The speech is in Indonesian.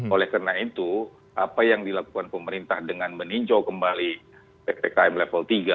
oleh karena itu apa yang dilakukan pemerintah dengan meninjau kembali ppkm level tiga